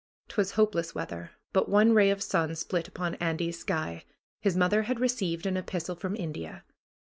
'Twas hopeless weather, but one ray of sun split upon Andy's sky. His mother had received an epistle from India.